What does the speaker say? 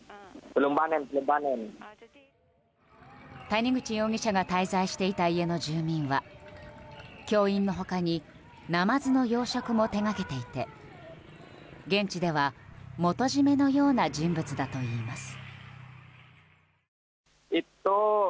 谷口容疑者が滞在していた家の住民は教員の他にナマズの養殖も手掛けていて現地では元締めのような人物だといいます。